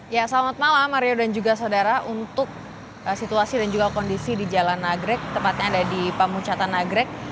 ya selamat malam mario dan juga saudara untuk situasi dan juga kondisi di jalan nagrek tempatnya ada di pamucatan nagrek